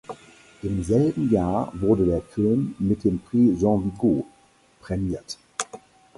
Im selben Jahr wurde der Film mit dem Prix Jean Vigo prämiert.